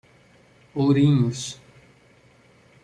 Ourinhos